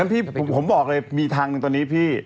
พี่ผมบอกเลยมีทางหนึ่งตอนนี้พี่